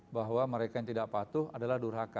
bahwa mereka yang tidak patuh adalah durhaka